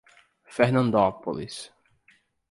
Fernandópolis